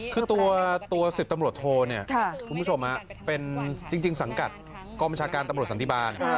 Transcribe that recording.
คือตัว๑๐ตำรวจโทเนี่ยคุณผู้ชมเป็นจริงสังกัดกองบัญชาการตำรวจสันติบาล